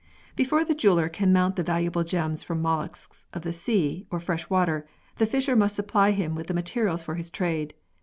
Before the jeweller can mount the valuable gems from molluscs of the sea or fresh water, the fisher must supply him with the materials for his trade.